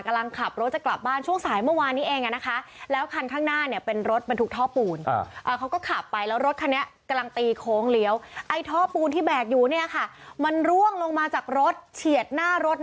กำลังขับรถเรากลับบ้านช่วงสายเมื่อวาน